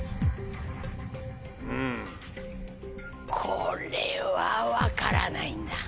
これは分からないんだ。